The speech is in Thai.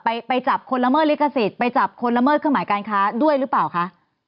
ไปจับคนละเมิดเครื่องหมายการค้าด้วยหรือปล่าวคะ